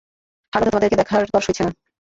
হার্লোতে তোমাদেরকে দেখার তর সইছে না।